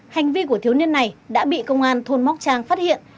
hành vi của thiếu niên này đã bị công an thôn móc trang phát hiện